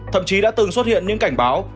thậm chí đã từng xuất hiện những cảnh báo